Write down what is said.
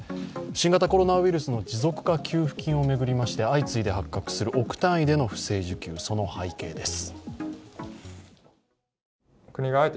新型コロナウイルスの持続化給付金を巡りまして相次いで発覚する億単位での不正受給、その背景です。